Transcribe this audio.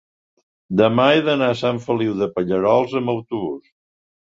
demà he d'anar a Sant Feliu de Pallerols amb autobús.